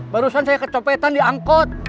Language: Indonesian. barusan saya kecopetan diangkut